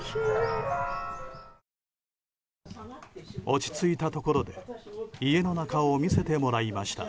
落ち着いたところで家の中を見せてもらいました。